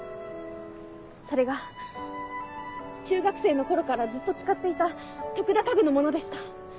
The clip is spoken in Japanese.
それが中学生の頃からずっと使っていた徳田家具のものでした。